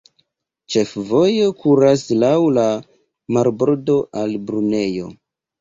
Ĉefvojo kuras laŭ la marbordo al Brunejo.